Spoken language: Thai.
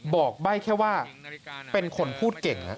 บอกใบ้แค่ว่าเป็นคนพูดเก่ง